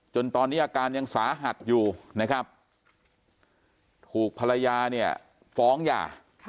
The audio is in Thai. จนตอนนี้อาการยังสาหัสอยู่นะครับถูกภรรยาเนี่ยฟ้องหย่า